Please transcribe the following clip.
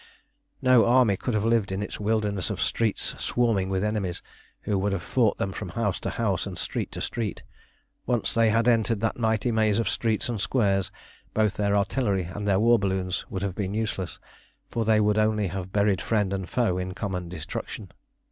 No army could have lived in its wilderness of streets swarming with enemies, who would have fought them from house to house and street to street. Once they had entered that mighty maze of streets and squares both their artillery and their war balloons would have been useless, for they would only have buried friend and foe in common destruction.